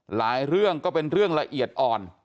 หลายเรื่องก็เป็นเรื่องละเอียดอ่อน